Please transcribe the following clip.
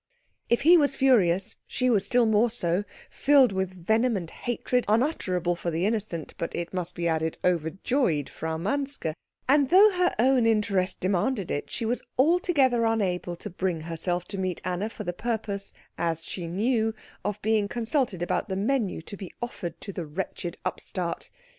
If he was furious, she was still more so, filled with venom and hatred unutterable for the innocent, but it must be added overjoyed, Frau Manske; and though her own interest demanded it, she was altogether unable to bring herself to meet Anna for the purpose, as she knew, of being consulted about the menu to be offered to the wretched upstart.